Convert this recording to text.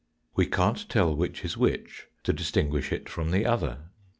We can't tell which is which, to distinguish it from the other.